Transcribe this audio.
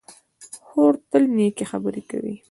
خور تل نېکې خبرې کوي.